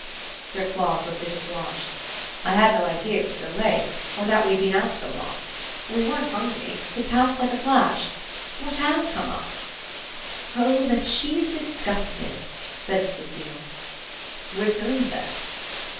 Sir Claude looked at his watch. "I had no idea it was so late, nor that we had been out so long. We weren't hungry. It passed like a flash. What HAS come up?" "Oh that she's disgusted," said Mrs. Beale. "With whom then?"